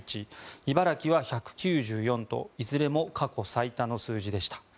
茨城は１９４といずれも過去最多の数字でした。